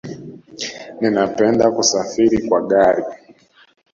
Ninapenda kusafiri kwa gari